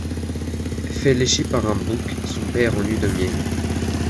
Fait lécher par-un bouc son père enduit de miel ;